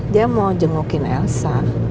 dia mau jengukin elsa